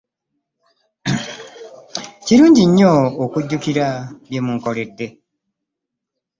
Kirungi nnyo okujjukira bye bakukoledde.